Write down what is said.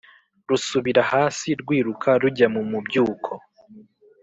rusubira hasi! rwiruka rujya mu mubyuko.